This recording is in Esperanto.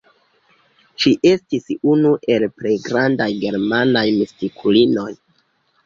Ŝi estis unu el plej grandaj germanaj mistikulinoj.